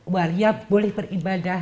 waria boleh beribadah